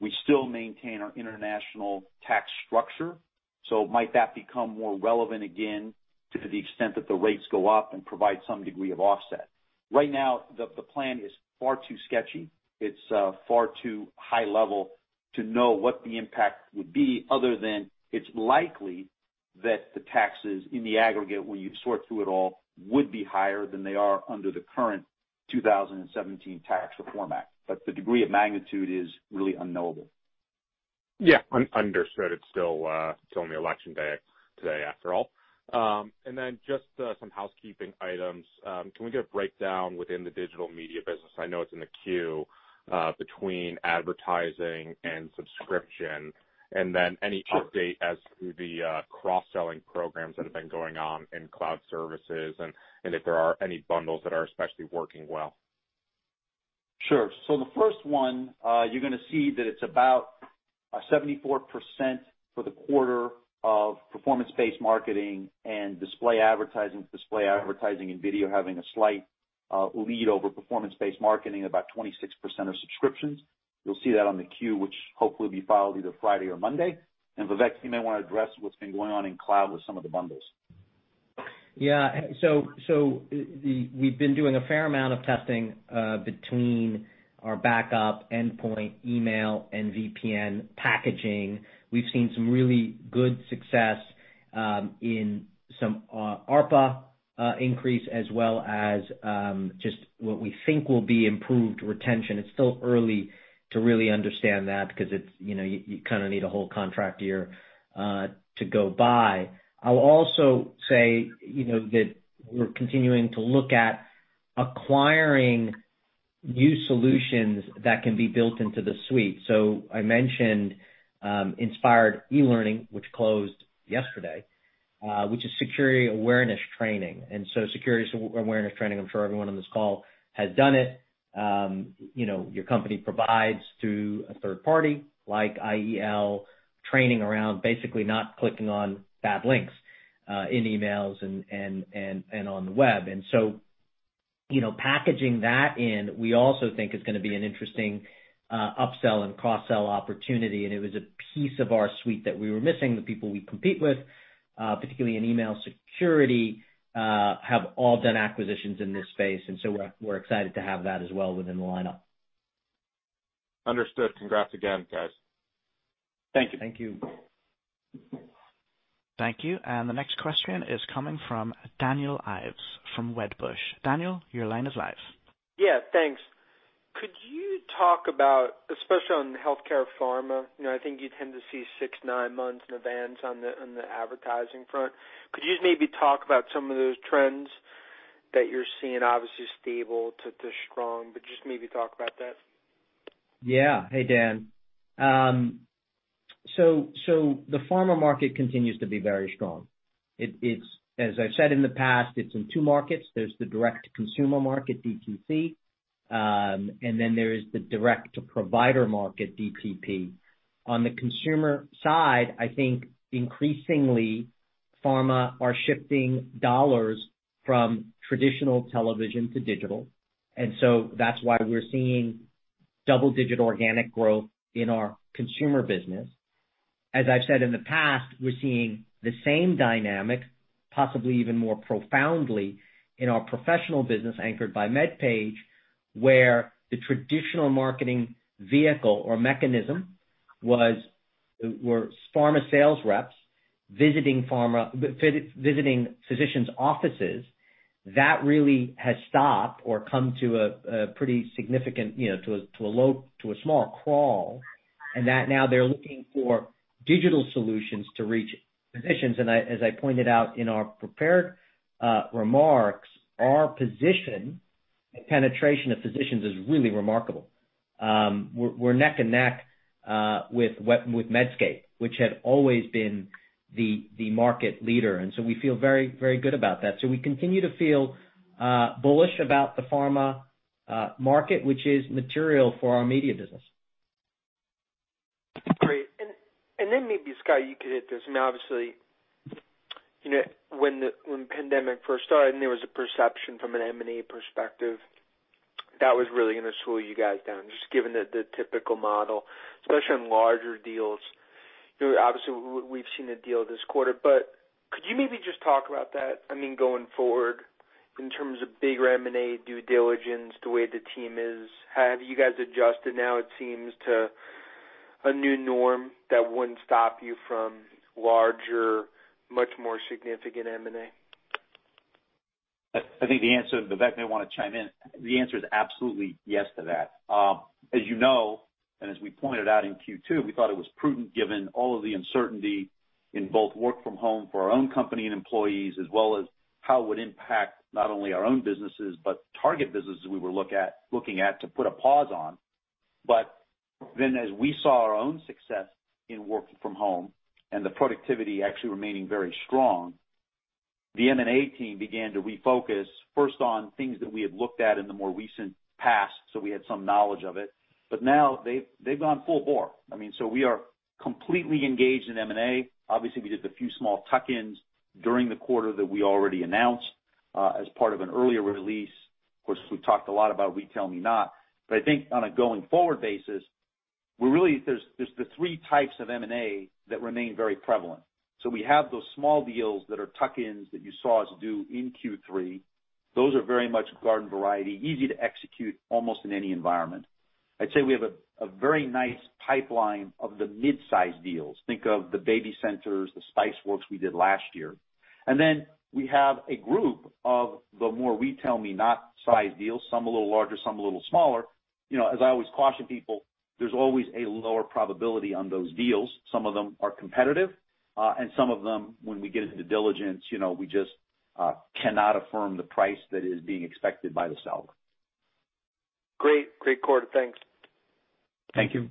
We still maintain our international tax structure. Might that become more relevant again to the extent that the rates go up and provide some degree of offset? Right now, the plan is far too sketchy. It's far too high level to know what the impact would be other than it's likely that the taxes in the aggregate, when you sort through it all, would be higher than they are under the current 2017 Tax Reform Act. The degree of magnitude is really unknowable. Yeah. Understood. It is still only election day today after all. Just some housekeeping items. Can we get a breakdown within the Digital Media business? I know it is in the 10-Q, between advertising and subscription, and then any update as to the cross-selling programs that have been going on in cloud services and if there are any bundles that are especially working well. Sure. The first one, you're going to see that it's about 74% for the quarter of performance-based marketing and display advertising. Display advertising and video having a slight lead over performance-based marketing, about 26% of subscriptions. You'll see that on the 10-Q, which hopefully will be filed either Friday or Monday. Vivek, you may want to address what's been going on in cloud with some of the bundles. Yeah. We've been doing a fair amount of testing between our backup endpoint email and VPN packaging. We've seen some really good success in some ARPA increase as well as just what we think will be improved retention. It's still early to really understand that because you kind of need a whole contract year to go by. I'll also say that we're continuing to look at acquiring new solutions that can be built into the suite. I mentioned Inspired eLearning, which closed yesterday, which is security awareness training. Security awareness training, I'm sure everyone on this call has done it. Your company provides to a third party like IEL, training around, basically not clicking on bad links in emails and on the web. Packaging that in, we also think is going to be an interesting upsell and cross-sell opportunity, and it was a piece of our suite that we were missing. The people we compete with, particularly in email security, have all done acquisitions in this space, and so we're excited to have that as well within the lineup. Understood. Congrats again, guys. Thank you. Thank you. Thank you. The next question is coming from Daniel Ives from Wedbush. Daniel, your line is live. Yeah, thanks. Could you talk about, especially on healthcare pharma, I think you tend to see six, nine months in advance on the advertising front. Could you just maybe talk about some of those trends that you're seeing, obviously stable to strong, but just maybe talk about that? Hey, Dan. The pharma market continues to be very strong. As I've said in the past, it's in two markets. There's the direct-to-consumer market, DTC, and then there is the direct-to-provider market, DPP. On the consumer side, I think increasingly pharma are shifting dollars from traditional television to digital. That's why we're seeing double-digit organic growth in our consumer business. As I've said in the past, we're seeing the same dynamic, possibly even more profoundly in our professional business, anchored by MedPage, where the traditional marketing vehicle or mechanism were pharma sales reps visiting physicians' offices. That really has stopped or come to a pretty significant small crawl. Now they're looking for digital solutions to reach physicians. As I pointed out in our prepared remarks, our position and penetration of physicians is really remarkable. We're neck and neck with Medscape, which had always been the market leader, and so we feel very good about that. We continue to feel bullish about the pharma market, which is material for our media business. Great. Maybe, Scott, you could hit this. Obviously, when the pandemic first started and there was a perception from an M&A perspective that was really going to slow you guys down, just given the typical model, especially on larger deals. Obviously, we've seen a deal this quarter. Could you maybe just talk about that, going forward in terms of bigger M&A due diligence, the way the team is? Have you guys adjusted now it seems to a new norm that wouldn't stop you from larger, much more significant M&A? I think the answer, and Vivek may want to chime in. The answer is absolutely yes to that. As you know, and as we pointed out in Q2, we thought it was prudent, given all of the uncertainty in both work from home for our own company and employees, as well as how it would impact not only our own businesses but target businesses we were looking at to put a pause on. As we saw our own success in working from home and the productivity actually remaining very strong, the M&A team began to refocus first on things that we had looked at in the more recent past, so we had some knowledge of it. Now they've gone full bore. We are completely engaged in M&A. Obviously, we did the few small tuck-ins during the quarter that we already announced as part of an earlier release. Of course, we've talked a lot about RetailMeNot. I think on a going-forward basis, there's the three types of M&A that remain very prevalent. We have those small deals that are tuck-ins that you saw us do in Q3. Those are very much garden variety, easy to execute almost in any environment. I'd say we have a very nice pipeline of the mid-size deals. Think of the BabyCenter, the Spiceworks we did last year. We have a group of the more RetailMeNot size deals, some a little larger, some a little smaller. As I always caution people, there's always a lower probability on those deals. Some of them are competitive, and some of them, when we get into due diligence, we just cannot affirm the price that is being expected by the seller. Great quarter. Thanks. Thank you.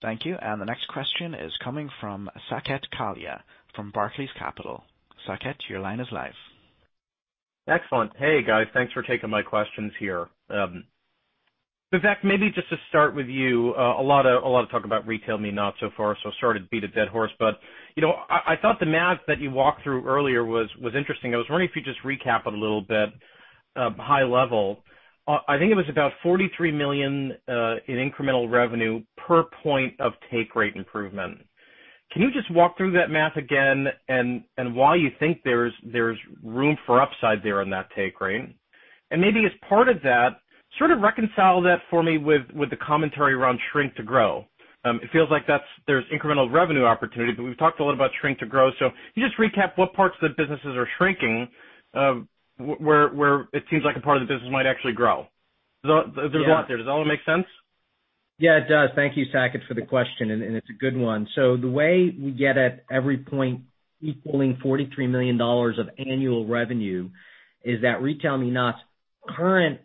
Thank you. The next question is coming from Saket Kalia from Barclays Capital. Saket, your line is live. Excellent. Hey, guys. Thanks for taking my questions here. Vivek, maybe just to start with you, a lot of talk about RetailMeNot so far, so sorry to beat a dead horse, but I thought the math that you walked through earlier was interesting. I was wondering if you'd just recap a little bit, high level. I think it was about $43 million in incremental revenue per point of take rate improvement. Can you just walk through that math again and why you think there's room for upside there on that take rate? Maybe as part of that, sort of reconcile that for me with the commentary around shrink to grow. It feels like there's incremental revenue opportunity, but we've talked a lot about shrink to grow. Can you just recap what parts of the businesses are shrinking, where it seems like a part of the business might actually grow? There's a lot there. Does all that make sense? Yeah, it does. Thank you, Saket, for the question, and it's a good one. The way we get at every point equaling $43 million of annual revenue is that RetailMeNot's current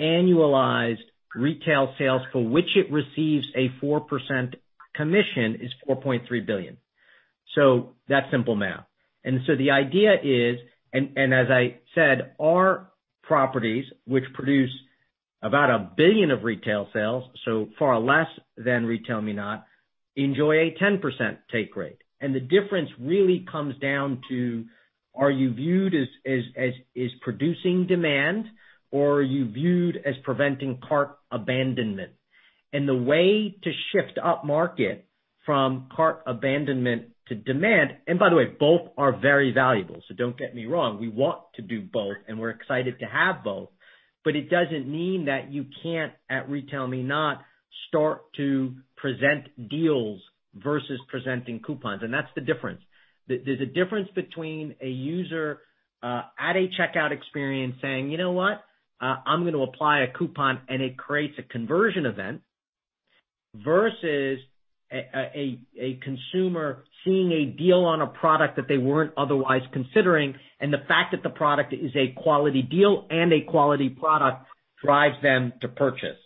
annualized retail sales, for which it receives a 4% commission, is $4.3 billion. That's simple math. The idea is, and as I said, our properties, which produce about $1 billion of retail sales, so far less than RetailMeNot, enjoy a 10% take rate. The difference really comes down to, are you viewed as producing demand or are you viewed as preventing cart abandonment? The way to shift up market from cart abandonment to demand, and by the way, both are very valuable. Don't get me wrong, we want to do both and we're excited to have both. It doesn't mean that you can't, at RetailMeNot, start to present deals versus presenting coupons, and that's the difference. There's a difference between a user at a checkout experience saying, "You know what? I'm going to apply a coupon," and it creates a conversion event, versus a consumer seeing a deal on a product that they weren't otherwise considering, and the fact that the product is a quality deal and a quality product drives them to purchase.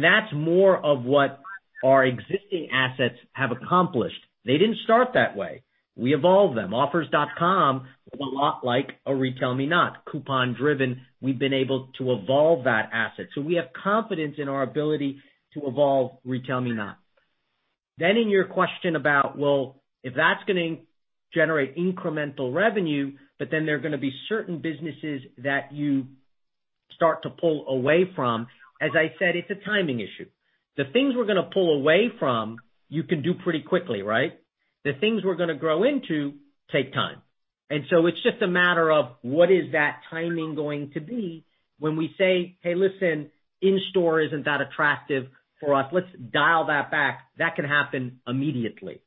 That's more of what our existing assets have accomplished. They didn't start that way. We evolved them. Offers.com was a lot like a RetailMeNot, coupon-driven. We've been able to evolve that asset. We have confidence in our ability to evolve RetailMeNot. In your question about, well, if that's going to generate incremental revenue, but then there are going to be certain businesses that you start to pull away from, as I said, it's a timing issue. The things we're going to pull away from, you can do pretty quickly, right? The things we're going to grow into take time. It's just a matter of what is that timing going to be when we say, "Hey, listen, in-store isn't that attractive for us. Let's dial that back." That can happen immediately.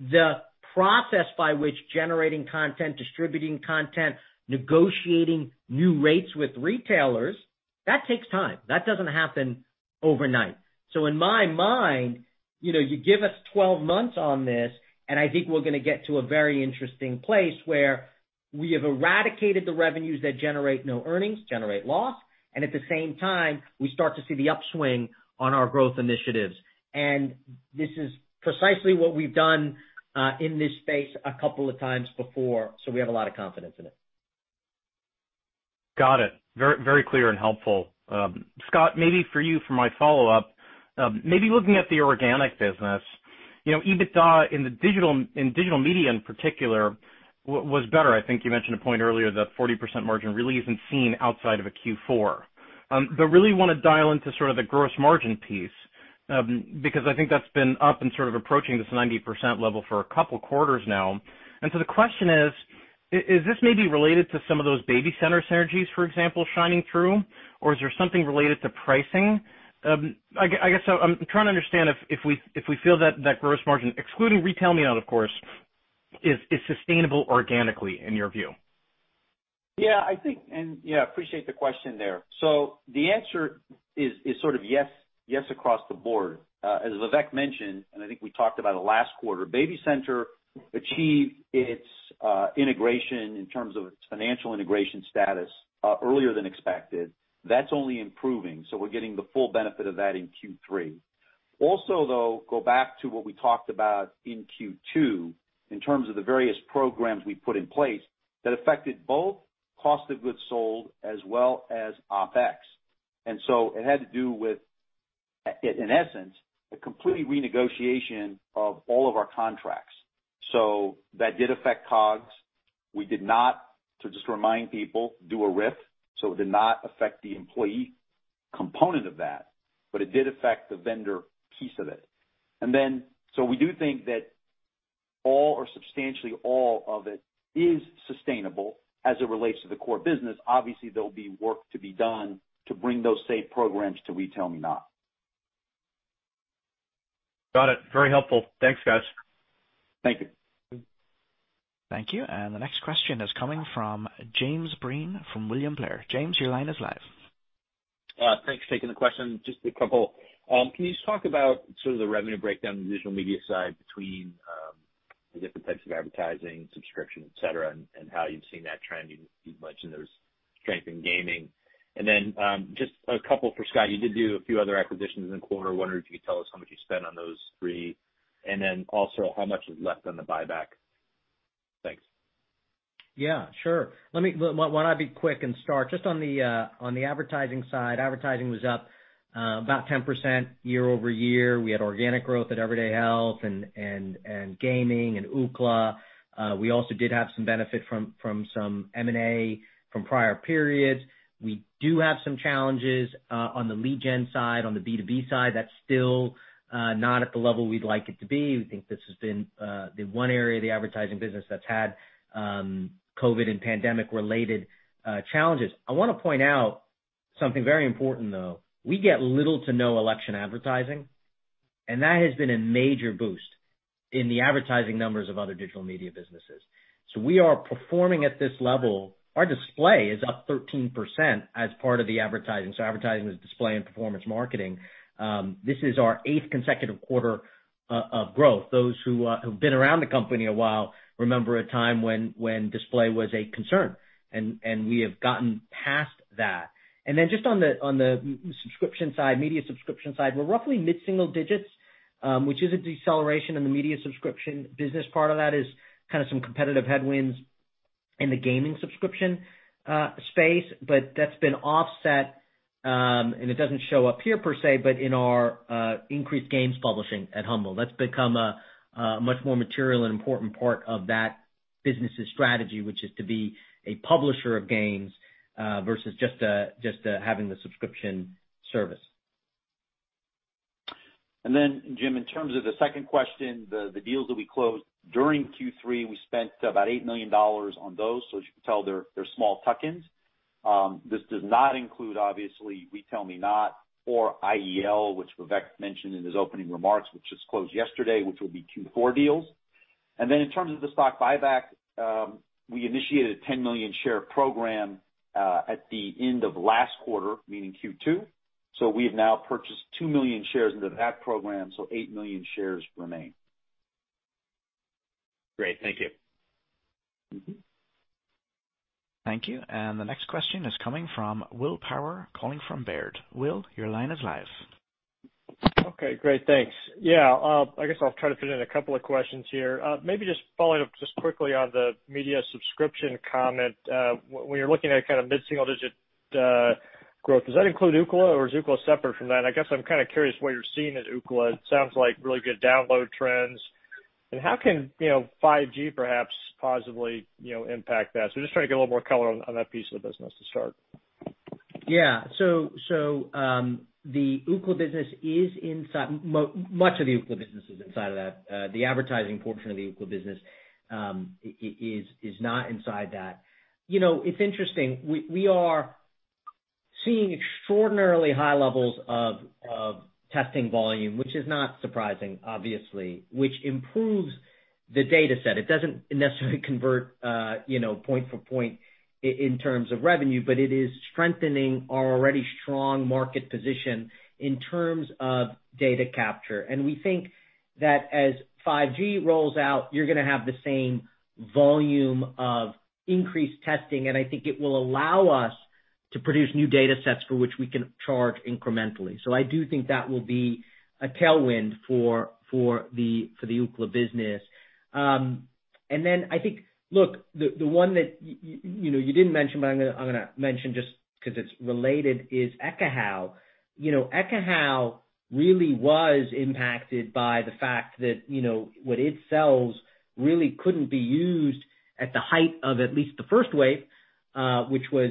The process by which generating content, distributing content, negotiating new rates with retailers, that takes time. That doesn't happen overnight. In my mind, you give us 12 months on this, and I think we're going to get to a very interesting place where we have eradicated the revenues that generate no earnings, generate loss, and at the same time, we start to see the upswing on our growth initiatives. This is precisely what we've done in this space a couple of times before, so we have a lot of confidence in it. Got it. Very clear and helpful. Scott, for you for my follow-up. Looking at the organic business, EBITDA in digital media in particular, was better. I think you mentioned a point earlier that 40% margin really isn't seen outside of a Q4. Really want to dial into sort of the gross margin piece, because I think that's been up and sort of approaching this 90% level for a couple quarters now. The question is this maybe related to some of those BabyCenter synergies, for example, shining through? Is there something related to pricing? I guess I'm trying to understand if we feel that that gross margin, excluding RetailMeNot, of course, is sustainable organically in your view. Yeah. I appreciate the question there. The answer is sort of yes across the board. As Vivek mentioned, and I think we talked about it last quarter, BabyCenter achieved its integration in terms of its financial integration status earlier than expected. That's only improving, so we're getting the full benefit of that in Q3. Also, though, go back to what we talked about in Q2 in terms of the various programs we put in place that affected both cost of goods sold as well as OpEx. It had to do with, in essence, a complete renegotiation of all of our contracts. That did affect COGS. We did not, to just remind people, do a RIF, so it did not affect the employee component of that, but it did affect the vendor piece of it. We do think that all or substantially all of it is sustainable as it relates to the core business. Obviously, there'll be work to be done to bring those same programs to RetailMeNot. Got it. Very helpful. Thanks, guys. Thank you. Thank you. The next question is coming from James Breen from William Blair. James, your line is live. Thanks for taking the question, just a couple. Can you just talk about sort of the revenue breakdown on the digital media side between the different types of advertising, subscription, et cetera, and how you've seen that trending? You've mentioned there was strength in gaming. Then just a couple for Scott. I wonder if you could tell us how much you spent on those three, and then also how much is left on the buyback. Thanks. Sure. Why don't I be quick and start. On the advertising side, advertising was up about 10% year-over-year. We had organic growth at Everyday Health and Gaming and Ookla. We also did have some benefit from some M&A from prior periods. We do have some challenges on the lead gen side, on the B2B side. That's still not at the level we'd like it to be. We think this has been the one area of the advertising business that's had COVID and pandemic-related challenges. I want to point out something very important, though. We get little to no election advertising, that has been a major boost in the advertising numbers of other digital media businesses. We are performing at this level. Our display is up 13% as part of the advertising. Advertising is display and performance marketing. This is our eighth consecutive quarter of growth. Those who have been around the company a while remember a time when display was a concern, and we have gotten past that. Just on the subscription side, media subscription side, we're roughly mid-single digits, which is a deceleration in the media subscription business. Part of that is kind of some competitive headwinds in the gaming subscription space. That's been offset, and it doesn't show up here per se, but in our increased games publishing at Humble. That's become a much more material and important part of that business's strategy, which is to be a publisher of games versus just having the subscription service. Jim, in terms of the second question, the deals that we closed during Q3, we spent about $8 million on those. As you can tell, they're small tuck-ins. This does not include, obviously, RetailMeNot or IEL, which Vivek mentioned in his opening remarks, which just closed yesterday, which will be Q4 deals. In terms of the stock buyback, we initiated a 10 million share program at the end of last quarter, meaning Q2. We have now purchased 2 million shares into that program, so 8 million shares remain. Great. Thank you. Thank you. The next question is coming from Will Power, calling from Baird. Will, your line is live. Okay, great. Thanks. Yeah. I guess I'll try to fit in a couple of questions here. Maybe just following up just quickly on the media subscription comment. When you're looking at kind of mid-single-digit growth, does that include Ookla, or is Ookla separate from that? I guess I'm kind of curious what you're seeing at Ookla. It sounds like really good download trends. How can 5G perhaps positively impact that? Just trying to get a little more color on that piece of the business to start. Much of the Ookla business is inside of that. The advertising portion of the Ookla business is not inside that. It's interesting. We are seeing extraordinarily high levels of testing volume, which is not surprising, obviously, which improves the data set. It doesn't necessarily convert point for point in terms of revenue, but it is strengthening our already strong market position in terms of data capture. We think that as 5G rolls out, you're going to have the same volume of increased testing, and I think it will allow us to produce new data sets for which we can charge incrementally. I do think that will be a tailwind for the Ookla business. I think, look, the one that you didn't mention, but I'm going to mention just because it's related, is Ekahau. Ekahau really was impacted by the fact that what it sells really couldn't be used at the height of at least the first wave, which was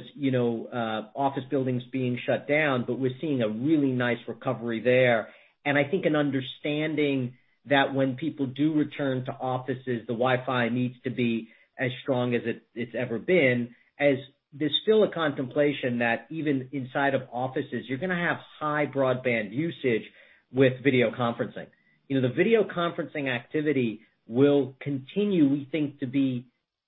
office buildings being shut down, but we're seeing a really nice recovery there. I think an understanding that when people do return to offices, the Wi-Fi needs to be as strong as it's ever been, as there's still a contemplation that even inside of offices, you're going to have high broadband usage with video conferencing. The video conferencing activity will continue, we think, to be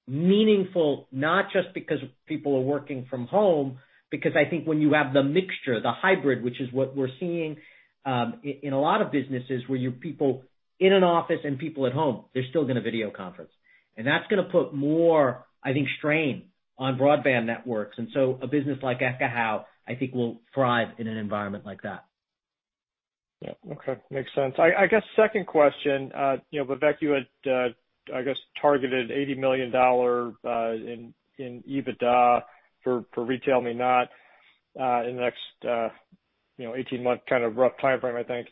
meaningful, not just because people are working from home, because I think when you have the mixture, the hybrid, which is what we're seeing in a lot of businesses where you have people in an office and people at home, they're still going to video conference. That's going to put more, I think, strain on broadband networks. A business like Ekahau, I think, will thrive in an environment like that. Yeah. Okay. Makes sense. I guess second question. Vivek, you had, I guess, targeted $80 million in EBITDA for RetailMeNot in the next 18-month kind of rough timeframe, I think.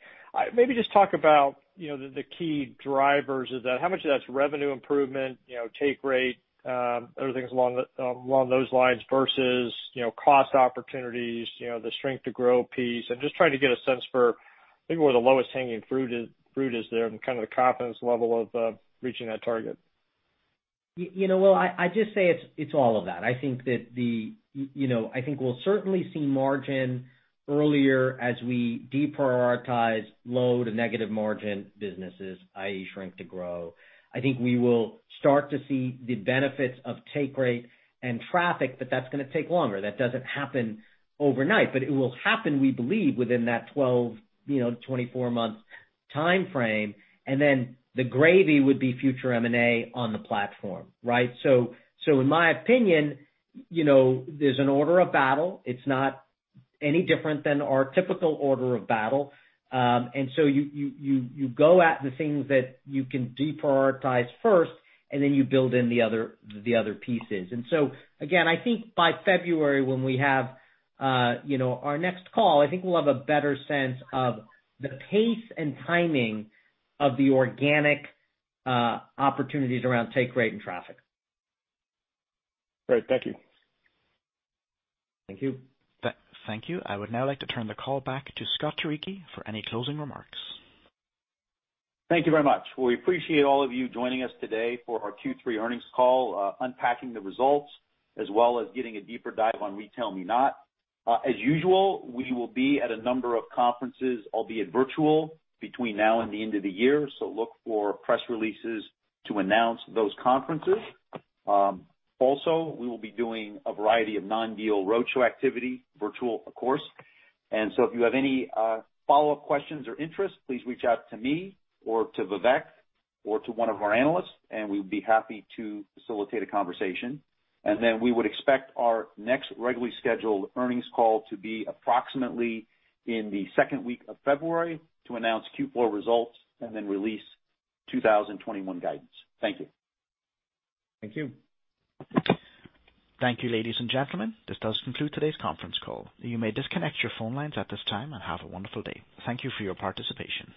Maybe just talk about the key drivers of that. How much of that's revenue improvement, take rate, other things along those lines versus cost opportunities, the shrink to grow piece? I'm just trying to get a sense for I think where the lowest hanging fruit is there and kind of the confidence level of reaching that target. Well, I just say it's all of that. I think we'll certainly see margin earlier as we deprioritize low to negative margin businesses, i.e., shrink to grow. I think we will start to see the benefits of take rate and traffic, that's going to take longer. That doesn't happen overnight, it will happen, we believe, within that 12 to 24-month timeframe. The gravy would be future M&A on the platform, right? In my opinion, there's an order of battle. It's not any different than our typical order of battle. You go at the things that you can deprioritize first, you build in the other pieces. Again, I think by February, when we have our next call, I think we'll have a better sense of the pace and timing of the organic opportunities around take rate and traffic. Great. Thank you. Thank you. Thank you. I would now like to turn the call back to Scott Turicchi for any closing remarks. Thank you very much. Well, we appreciate all of you joining us today for our Q3 earnings call, unpacking the results, as well as getting a deeper dive on RetailMeNot. As usual, we will be at a number of conferences, albeit virtual, between now and the end of the year. So look for press releases to announce those conferences. Also, we will be doing a variety of non-deal roadshow activity, virtual of course. If you have any follow-up questions or interests, please reach out to me or to Vivek or to one of our analysts, and we would be happy to facilitate a conversation. We would expect our next regularly scheduled earnings call to be approximately in the second week of February to announce Q4 results and then release 2021 guidance. Thank you. Thank you. Thank you, ladies and gentlemen. This does conclude today's conference call. You may disconnect your phone lines at this time, and have a wonderful day. Thank you for your participation.